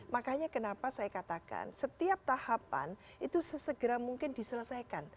makanya kenapa saya katakan setiap tahapan itu sesegera mungkin diselesaikan